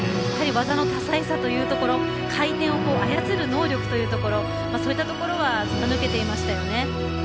やはり技の多彩さというところ回転を操る能力というところそういったところはずばぬけていましたよね。